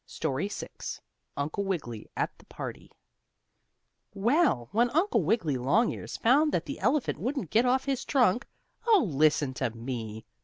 STORY VI UNCLE WIGGILY AT THE PARTY Well, when Uncle Wiggily Longears found that the elephant wouldn't get off his trunk oh, listen to me!